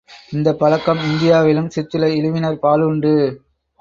இந்தப் புழக்கம் இந்தியாவிலும் சிற்சில இழிவினர் பாலுண்டு.